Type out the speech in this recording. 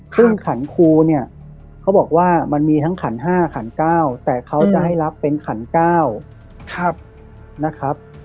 ซึ่งขันคูเนี้ยเขาบอกว่ามันมีทั้งขันห้าขันเก้าแต่เขาจะให้รับเป็นขันเก้าครับนะครับ